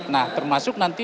nah termasuk nanti